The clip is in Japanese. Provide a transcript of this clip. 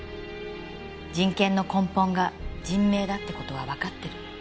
人権の根本が人命だって事はわかってる。